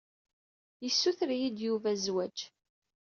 Yessuter-iyi-d Yuba i zzwaǧ.